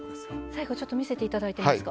最後ちょっと見せて頂いていいですか？